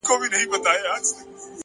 پرمختګ د ځان له محدودیتونو پورته کېدل دي!